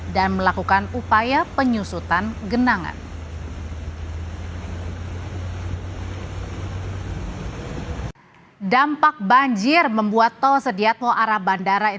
dan melakukan upaya penyusutan genangan